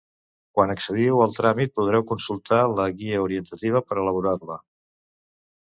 Quan accediu al tràmit podreu consultar la guia orientativa per elaborar-la.